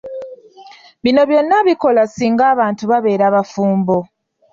Bino byonna bikola singa abantu babeera bafumbo.